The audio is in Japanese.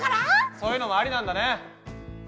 そういうのもありなんだね！